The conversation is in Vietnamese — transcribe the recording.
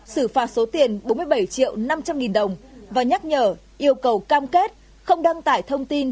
xử phạt số tiền bốn mươi bảy triệu năm trăm linh nghìn đồng và nhắc nhở yêu cầu cam kết không đăng tải thông tin